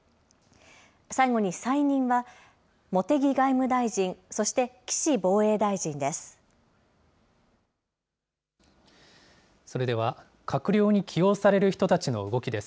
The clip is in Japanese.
最後に再任は、茂木外務大臣、そして岸防衛大臣です。